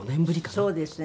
そうですよね。